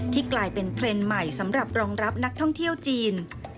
กลายเป็นเทรนด์ใหม่สำหรับรองรับนักท่องเที่ยวจีน